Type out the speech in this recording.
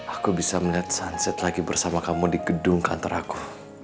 aku bisa melihat sunset lagi bersama kamu di gedung kantor aku